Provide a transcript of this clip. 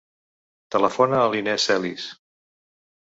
Telefona a l'Inès Celis.